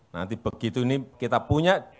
nanti begitu ini kita punya